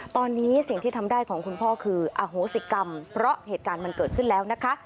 ตอนนี้สิ่งที่ทำได้ของคุณพ่อคืออโหสิกรรมเพราะเหตุการณ์มันเกิดขึ้นแล้วนะคะ